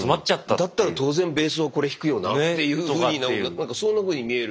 だったら当然ベースはこれ弾くよなっていうふうになんかそんなふうに見える。